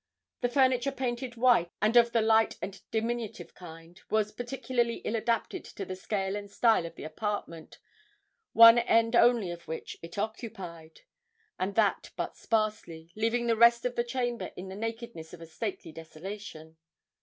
The furniture painted white, and of the light and diminutive kind, was particularly ill adapted to the scale and style of the apartment, one end only of which it occupied, and that but sparsely, leaving the rest of the chamber in the nakedness of a stately desolation.